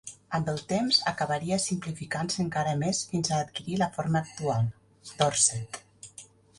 Amb el temps acabaria simplificant-se encara més fins a adquirir la forma actual, Dorset.